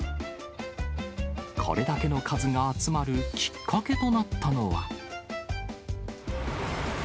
これだけの数が集まるきっかけとなったのは。